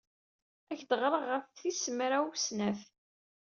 Ad ak-d-ɣreɣ ɣef tis mraw snat.